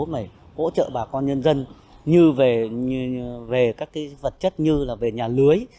mà hỗ trợ bà con nhân dân như về các cái vật chất như là về nhà lưới